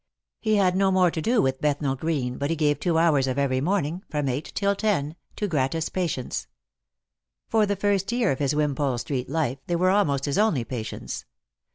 He had no more to do with Bethnal green, but he gave two hours of every morning — from eight till ten — to gratis patients. Por the first year of his Wimpole street life they were almost his only patients.